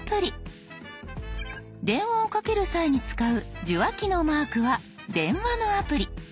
電話をかける際に使う受話器のマークは電話のアプリ。